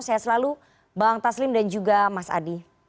saya selalu bang taslim dan juga mas adi